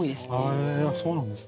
へえそうなんですね。